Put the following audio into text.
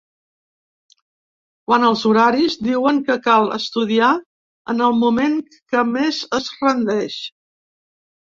Quant als horaris, diuen que cal estudiar en el moment que més es rendeix.